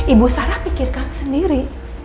ibu sarah pikirkan sendiri